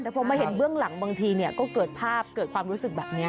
แต่พอมาเห็นเบื้องหลังบางทีก็เกิดภาพเกิดความรู้สึกแบบนี้